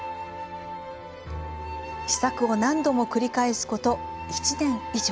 試作を何度も繰り返すこと１年以上。